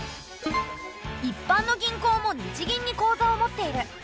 一般の銀行も日銀に口座を持っている。